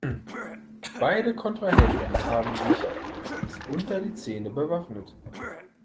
Beide Kontrahenten haben sich bis unter die Zähne bewaffnet.